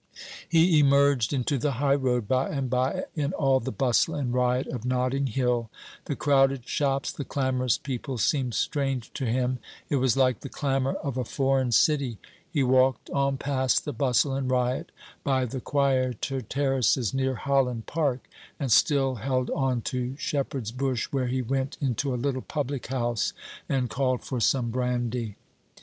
He emerged into the high road by and by, in all the bustle and riot of Notting Hill. The crowded shops, the clamorous people, seemed strange to him. It was like the clamour of a foreign city. He walked on past the bustle and riot, by the quieter terraces near Holland Park, and still held on to Shepherd's Bush, where he went into a little public house and called for some brandy.